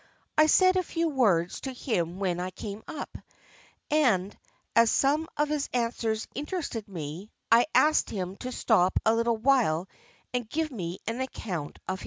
I said a few words to him when I came up, and as some of his answers interested me, I asked him to stop a little while and give me an account of himself.